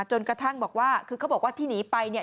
จนกระทั่งบอกว่าคือเขาบอกว่าที่หนีไปเนี่ย